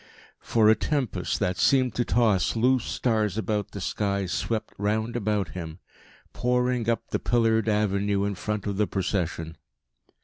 For a tempest that seemed to toss loose stars about the sky swept round about him, pouring up the pillared avenue in front of the procession.